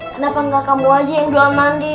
kenapa nggak kamu aja yang jual mandi